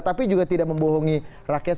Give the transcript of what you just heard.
tapi juga tidak membohongi rakyat